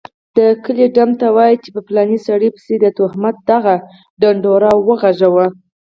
دکلي ډم ته وايي چي په پلاني سړي پسي دتهمت دغه ډنډوره وغږوه